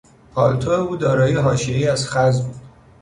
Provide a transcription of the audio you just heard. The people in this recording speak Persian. پالتو او دارای حاشیهای از خز بود.